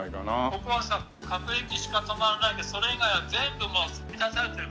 「ここはさ各駅しか止まらないでそれ以外は全部もう満たされてるからね」